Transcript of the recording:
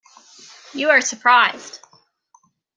You are surprised.